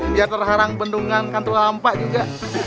biar terharang bendungan kantor lampa juga